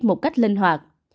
một cách linh hoạt